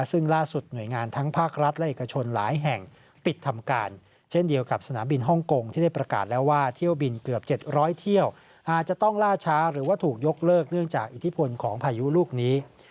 ซึ่งล่าสุดหน่วยงานทั้งภาครัฐและเอกชนหลายแห่งปิดทำการเช่นเดียวกับสนามบินฮ่องกงที่ได้ประกาศแล้วว่าเที่ยวบินเกือบ๗๐๐เที่ยวอาจจะต้องล่าช้าหรือว่าถูกยกเลิกเนื่องจากอิทธิพลของพายุลูกนี้